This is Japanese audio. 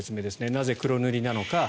なぜ黒塗りなのか。